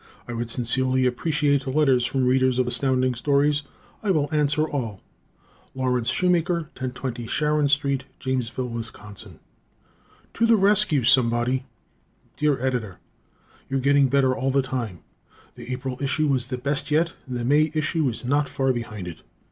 I would sincerely appreciate letters from Readers of Astounding Stories. I will answer all. Lawrence Schumaker, 1020 Sharon St., Jamesville, Wis. To the Rescue, Somebody! Dear Editor: You're getting better all the time. The April number was the best yet, and the May issue is not far behind it.